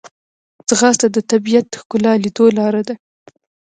ځغاسته د طبیعت ښکلا لیدو لاره ده